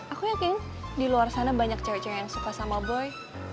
aku yakin di luar sana banyak cewek cewek yang suka sama boy